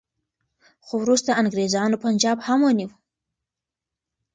خو وروسته انګریزانو پنجاب هم ونیو.